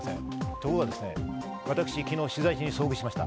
ところがですね、昨日、私、取材中に遭遇しました。